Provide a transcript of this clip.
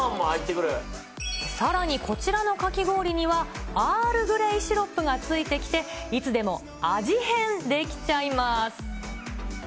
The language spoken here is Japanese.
さらにこちらのかき氷には、アールグレイシロップが付いてきて、いつでも味変できちゃいます。